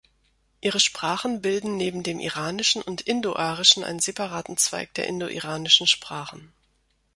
Ihre Sprachen bilden neben dem Iranischen und Indoarischen einen separaten Zweig der indoiranischen Sprachen.